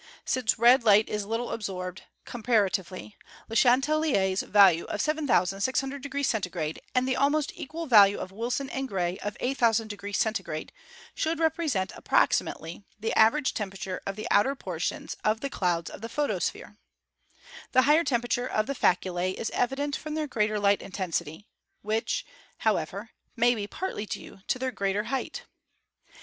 Since red light is little absorbed, compara tively, Le Chatelier's value of 7,600° C, and the almost equal value of Wilson and Gray of 8,ooo° C, should repre sent approximately the average temperature of the outer portions of the clouds of the photosphere. The higher tem perature of the faculae is evident from their greater light intensity, which, however, may be partly due to their greater height.